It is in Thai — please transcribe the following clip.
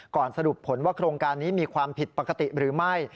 สรุปผลว่าโครงการนี้มีความผิดปกติหรือไม่